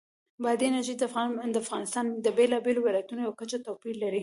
بادي انرژي د افغانستان د بېلابېلو ولایاتو په کچه توپیر لري.